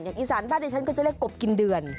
อย่างอีสานบ้านในชั้นก็จะเรียกกบกินเดือน